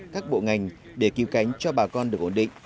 các bộ ngành để cứu cánh cho bà con được ổn định